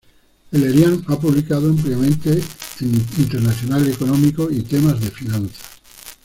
El-Erian Ha publicado ampliamente en internacional económico y temas de finanza.